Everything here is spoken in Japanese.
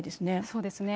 そうですね。